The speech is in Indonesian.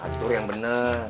atur yang bener